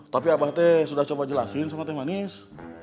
tapi abah teh sudah coba jelasin sama teh manis